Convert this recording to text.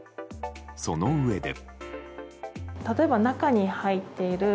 そのうえで。